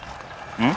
うん？